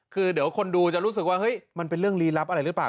คือเดี๋ยวคนดูจะรู้สึกว่าเฮ้ยมันเป็นเรื่องลีลับอะไรหรือเปล่า